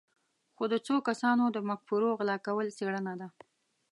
خو د څو کسانو د مفکورو غلا کول څېړنه ده.